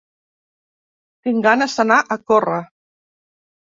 Tinc ganes d'anar a córrer.